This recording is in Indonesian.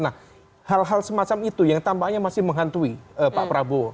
nah hal hal semacam itu yang tampaknya masih menghantui pak prabowo